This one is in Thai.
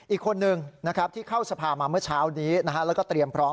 อีกคนนึงนะครับที่เข้าสภามาเมื่อเช้านี้แล้วก็เตรียมพร้อม